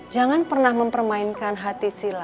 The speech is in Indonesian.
jangan pernah mempermainkan hati sila